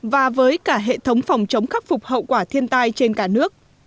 và với cả hệ thống phòng chống khắc phục hậu quả thiên tai trên cả nước